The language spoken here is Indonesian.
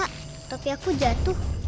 kak tapi aku jatuh